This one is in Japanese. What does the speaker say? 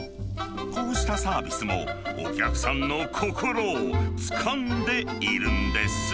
こうしたサービスも、お客さんの心をつかんでいるんです。